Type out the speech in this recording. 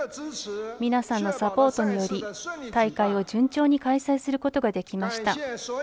皆さんのサポートにより大会を順調に開催することができました。